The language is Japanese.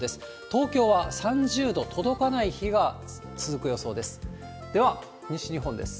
東京は３０度届かない日が続く予想です。